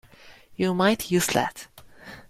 You might use that.